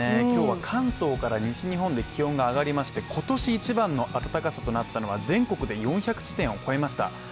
今日は関東から西日本で気温が上がりまして、今年一番の暖かさとなったのは全国で４００地点を超えました。